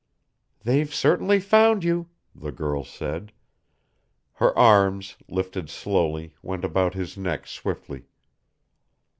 "They've certainly found you," the girl said. Her arms, lifted slowly, went about his neck swiftly.